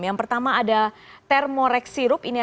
yang pertama ada thermorex syrup